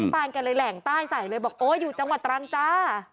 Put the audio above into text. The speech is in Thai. ปานแกเลยแหล่งใต้ใส่เลยบอกโอ้อยู่จังหวัดตรังจ้า